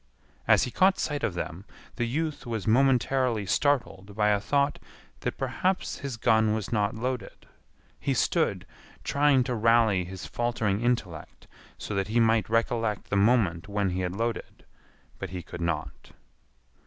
As he caught sight of them the youth was momentarily startled by a thought that perhaps his gun was not loaded. He stood trying to rally his faltering intellect so that he might recollect the moment when he had loaded, but he could not.